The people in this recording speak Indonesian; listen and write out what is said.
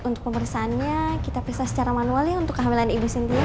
untuk pemeriksaannya kita pisah secara manual ya untuk kehamilan ibu sendiri